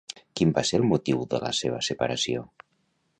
Quin va ser el motiu de la seva separació?